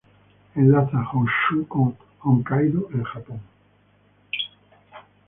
Enlaza Honshū con Hokkaidō en Japón.